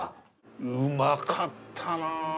うまかったなぁ。